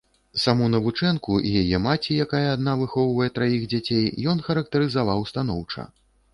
Саму навучэнку і яе маці, якая адна выхоўвае траіх дзяцей, ён характарызаваў станоўча.